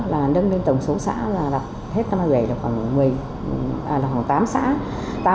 là nâng lên tổng số xã là hết năm hai nghìn một mươi bảy là khoảng tám xã